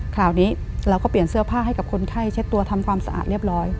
คราวนี้เราก็เปลี่ยนเสื้อผ้าให้กับคนไข้เช็ดตัวทำความสะอาดเรียบร้อย